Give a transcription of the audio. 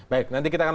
baik nanti kita akan